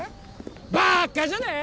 バーカじゃねえ！